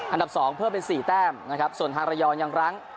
อันดับสองเพิ่มเป็นสี่แต้มนะครับส่วนทางระยองยังรั้ง